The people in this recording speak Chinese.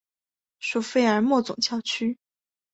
属费尔莫总教区。